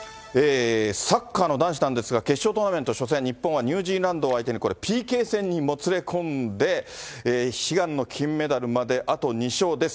サッカーの男子なんですが、決勝トーナメント初戦、日本はニュージーランドを相手に、これ、ＰＫ戦にもつれ込んで、悲願の金メダルまであと２勝です。